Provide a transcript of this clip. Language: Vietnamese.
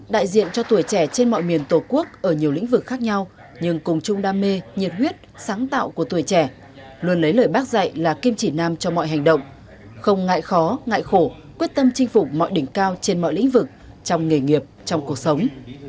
đại diện cho tuổi trẻ trên mọi miền tổ quốc ở nhiều lĩnh vực khác nhau nhưng cùng chung đam mê nhiệt huyết sáng tạo của tuổi trẻ luôn lấy lời bác dạy là kim chỉ nam cho mọi hành động không ngại khó ngại khổ quyết tâm chinh phục mọi đỉnh cao trên mọi lĩnh vực trong nghề nghiệp trong cuộc sống